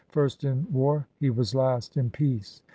First in war, he was last in peace.